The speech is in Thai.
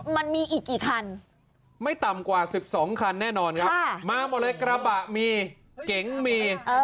มันมีอีกกี่คันไม่ต่ำกว่าสิบสองคันแน่นอนค่ะมามะละกระบะมีเก๋งมีเออ